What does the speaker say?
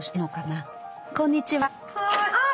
あこんにちは。